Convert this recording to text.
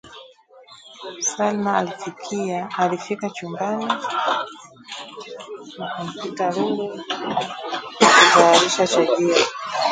Salma alifika chumbani na kumkuta Lulu akitayarisha chajio